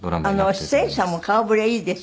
出演者も顔ぶれいいですよね